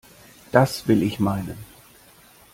Das will ich meinen!